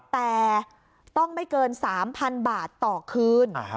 แต่ต้องไม่เกิน๓๐๐๐บาทต่อคืน